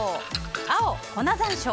青、粉山椒